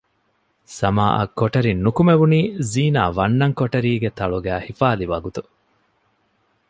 ސަމާއަށް ކޮޓަރިން ނުކުމެވުނީ ޒީނާ ވަންނަން ކޮޓަރީގެ ތަޅުގައި ހިފާލި ވަގުތު